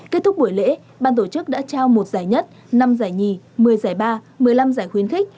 kết thúc buổi lễ ban tổ chức đã trao một giải nhất năm giải nhì một mươi giải ba một mươi năm giải khuyến khích